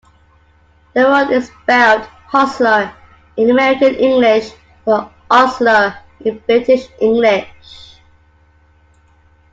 The word is spelled "hostler" in American English, but "ostler" in British English.